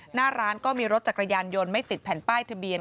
หน้าร้านก็มีรถจักรยานยนต์ไม่ติดแผ่นป้ายทะเบียน